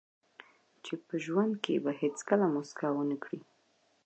چې په ژوند کې به هیڅکله موسکا ونه کړئ.